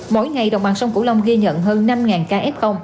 mỗi ngày đồng bằng sông cửu long ghi nhận hơn năm kf